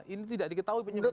ini tidak diketahui penyembuhan